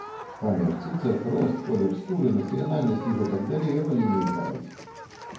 Памер цыцак, рост, колер скуры, нацыянальнасць і гэтак далей ролі не іграюць.